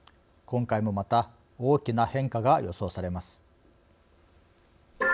今回もまた大きな変化が予想されます。